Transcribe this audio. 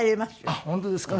あっ本当ですか？